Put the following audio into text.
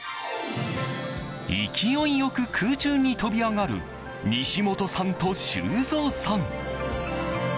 勢い良く空中に跳び上がる西本さんと修造さん。